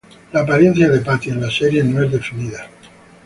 La apariencia de Patty en la serie no es definida.